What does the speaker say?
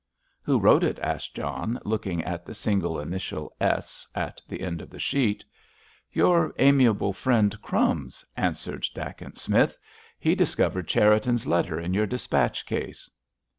"Who wrote it?" asked John, looking at the single initial "S" at the end of the sheet. "Your amiable friend, Crumbs," answered Dacent Smith. "He discovered Cherriton's letter in your dispatch case."